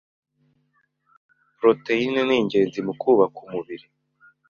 Proteyine ni ingenzi mu kubaka umubiri